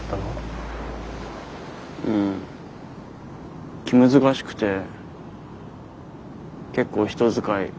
うん気難しくて結構人使いいや